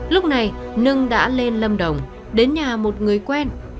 lúc này nâng đã lên lâm đồng đến nhà một người quen